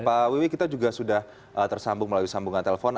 pak wiwi kita juga sudah tersambung melalui sambungan telepon